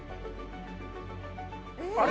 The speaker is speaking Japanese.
あれ？